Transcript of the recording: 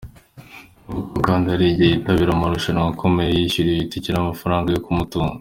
Avuga ko kandi hari igihe yitabira amarushanwa akomeye, yiyishyuriye itike n’amafaranga yo kumutunga.